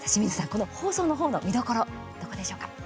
この放送の方の見どころどこでしょうか。